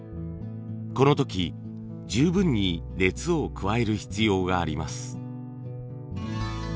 この時十分に熱を加える必要があります。